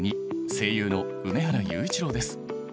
声優の梅原裕一郎です。